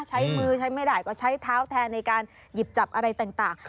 ใช้มือใช้ไม่ได้ก็ใช้เท้าแทนในการหยิบจับอะไรต่าง